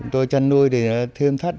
tôi chăn nuôi để thêm thắt